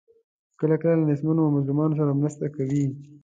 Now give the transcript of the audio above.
کله کله له نیستمنو او مظلومانو سره مرسته کوي.